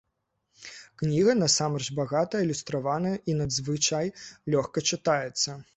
Кніга насамрэч багата адлюстраваная і надзвычай лёгка чытаецца.